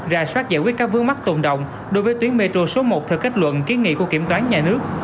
rà soát giải quyết các vương mắc tồn đồng đối với tuyến metro số một theo kết luận ký nghị của kiểm toán nhà nước